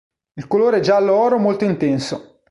Il colore è giallo oro molto intenso.